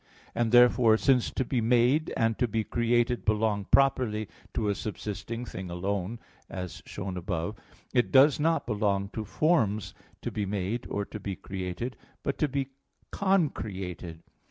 And therefore, since to be made and to be created belong properly to a subsisting thing alone, as shown above (A. 4), it does not belong to forms to be made or to be created, but to be "concreated."